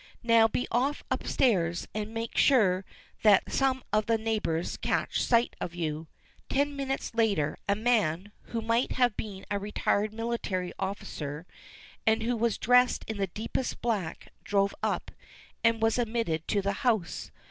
Now be off upstairs, and make sure that some of the neighbors catch sight of you." Ten minutes later a man, who might have been a retired military officer, and who was dressed in the deepest black, drove up, and was admitted to the house.